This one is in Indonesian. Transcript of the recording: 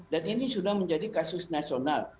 dan ini sudah menjadi kasus nasional